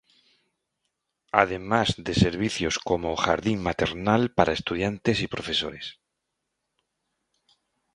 Además de servicios como Jardín Maternal para estudiantes y profesores.